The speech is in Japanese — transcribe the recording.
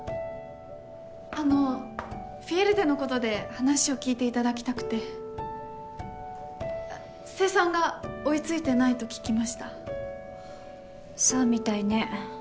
あのフィエルテのことで話を聞いていただきたくて生産が追いついてないと聞きましたそうみたいね